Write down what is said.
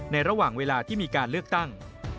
ระหว่างเวลาที่มีการเลือกตั้ง